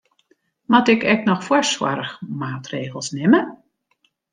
Moat ik ek noch foarsoarchmaatregels nimme?